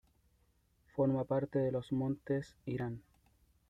Forma parte de los montes Irán.